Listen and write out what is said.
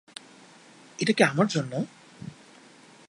এটা কি আমার জন্য?